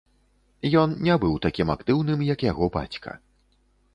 Ён не быў такім актыўным, як яго бацька.